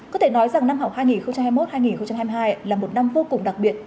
có thể nói rằng năm học hai nghìn hai mươi một hai nghìn hai mươi hai là một năm vô cùng đặc biệt